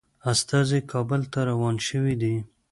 استازي کابل ته روان شوي دي.